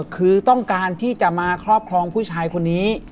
คือต้องการที่จะมาครอบครองผู้ชายคนนี้